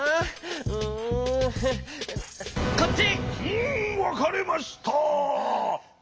うんわかれました。